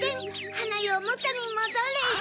ハナよもとにもどれ！